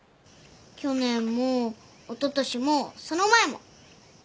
去年もおととしもその前も。